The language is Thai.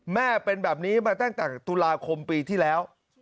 แม่เป็นแบบนี้มาตั้งแต่ตุลาคมปีที่แล้ว